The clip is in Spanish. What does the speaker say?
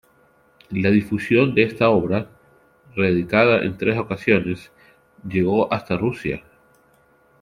La difusión de esta obra, reeditada en tres ocasiones, llegó hasta Rusia.